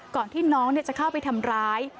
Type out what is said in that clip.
ก่อนที่น้องจะเข้าไปทำร้าย